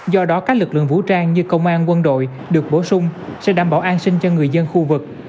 do đó các lực lượng vũ trang như công an quân đội được bổ sung sẽ đảm bảo an sinh cho người dân khu vực